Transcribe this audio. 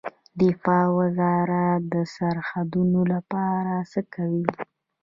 دفاع وزارت د سرحدونو لپاره څه کوي؟